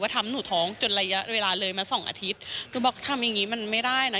ทำหนูท้องจนระยะเวลาเลยมาสองอาทิตย์คือบอกทำอย่างงี้มันไม่ได้นะ